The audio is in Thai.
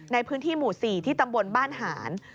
ในพื้นที่หมู่๔ที่ตำบลบ้านหาน